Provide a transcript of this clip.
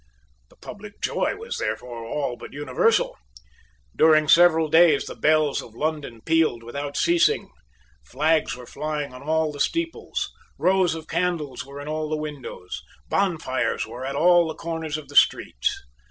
The public joy was therefore all but universal. During several days the bells of London pealed without ceasing. Flags were flying on all the steeples. Rows of candles were in all the windows. Bonfires were at all the corners of the streets.